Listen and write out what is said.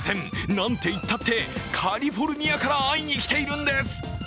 なんていったってカリフォルニアから会いに来ているんです。